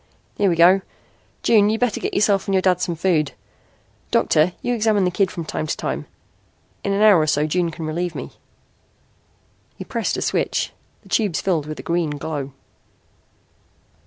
Here we go. June, you'd better get yourself and your dad some food. Doctor, you examine the kid from time to time. In an hour or so June can relieve me." He pressed a switch. The tubes filled with a green glow.